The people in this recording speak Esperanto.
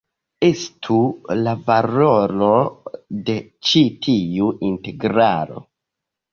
Estu la valoro de ĉi tiu integralo "I".